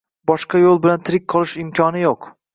Boshqa yo`l bilan tirik qolish imkoni yo`q